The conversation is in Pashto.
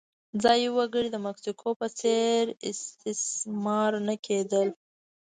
ځايي وګړي د مکسیکو په څېر استثمار نه کېدل.